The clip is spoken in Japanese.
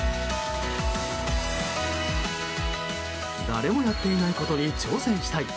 誰もやっていないことに挑戦したい。